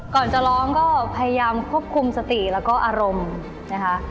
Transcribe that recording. ก่อนจะร้องก็พยายามควบคุมสติแล้วก็อารมณ์นะคะ